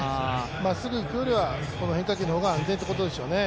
まっすぐいくよりは変化球の方が安全ということですよね。